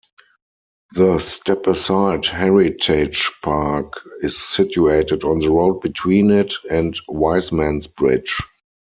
The Stepaside Heritage Park is situated on the road between it and Wisemans Bridge.